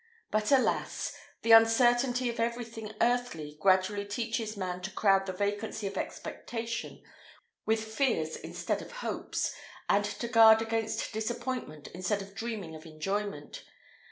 But, alas! the uncertainty of everything earthly gradually teaches man to crowd the vacancy of expectation with fears instead of hopes, and to guard against disappointment instead of dreaming of enjoyment.